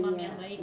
bisa lebih ini